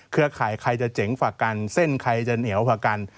เครือข่ายใครจะเจ๋งกว่ากันเส้นใครจะเหนียวกว่ากัน